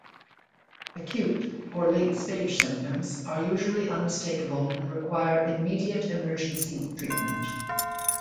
Acute or late-stage symptoms are usually unmistakable and require immediate emergency treatment.